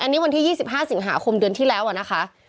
อันนี้วันที่๒๕สวพที่แล้วน่ะค่ะ